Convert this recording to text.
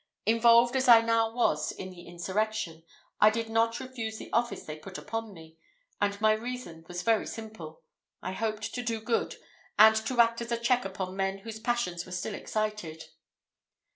Involved as I now was in the insurrection, I did not refuse the office they put upon me, and my reason was very simple: I hoped to do good, and to act as a check upon men whose passions were still excited.